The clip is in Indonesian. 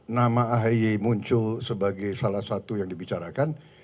nama ahy muncul sebagai salah satu yang dibicarakan